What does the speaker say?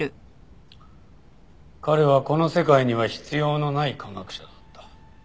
彼はこの世界には必要のない科学者だった。